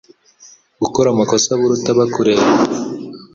Gukora amakosa abo uruta bakureba,